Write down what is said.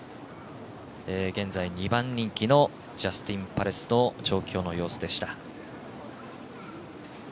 現在、２番人気のジャスティンパレスの調教の様子でした。